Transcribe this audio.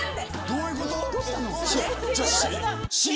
どういうこと？